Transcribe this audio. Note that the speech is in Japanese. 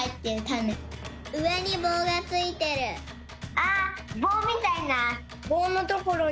あっぼうみたいな。